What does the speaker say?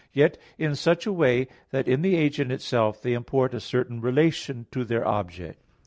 4), yet in such a way that in the agent itself they import a certain relation to their object.